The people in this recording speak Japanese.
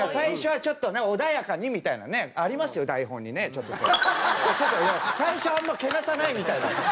ちょっと最初はあんまけなさないみたいな。